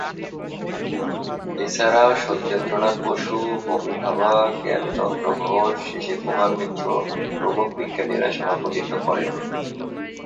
এছাড়াও সত্যেন্দ্রনাথ বসু, হোমি ভাবা, জ্ঞান চন্দ্র ঘোষ, শিশির কুমার মিত্র প্রমুখ বিজ্ঞানীরা সভাপতিত্ব করেন।